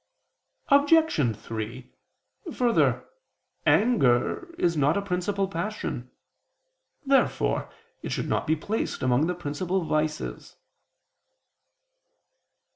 Obj. 3: Further, anger is not a principal passion. Therefore it should not be placed among the principal vices.